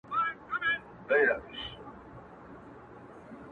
• ته له هره دِلستانه دِلستانه ښایسته یې..